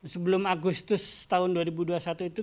sebelum agustus tahun dua ribu dua puluh satu itu